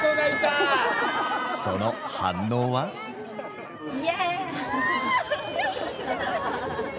その反応は？旅行？